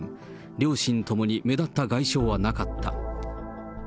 両親ともに目立った外傷はなかった。